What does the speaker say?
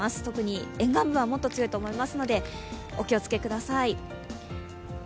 特に沿岸部はもっと強いと思いますので、お気をつけください。